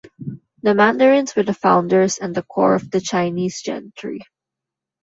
The mandarins were the founders and core of the Chinese gentry.